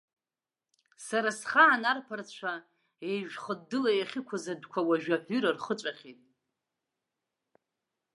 Сара схаан арԥарцәа еижәхыддыла иахьықәыз адәқәа уажәы аҳәира рхыҵәахьеит.